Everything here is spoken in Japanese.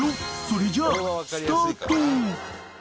［それじゃあスタート］